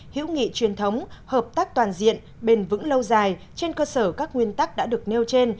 hữu nghị truyền thống hợp tác toàn diện bền vững lâu dài trên cơ sở các nguyên tắc đã được nêu trên